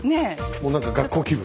もう何か学校気分。